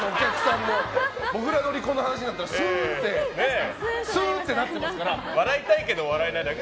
もぐらの離婚の話になったらすーんってなってますから。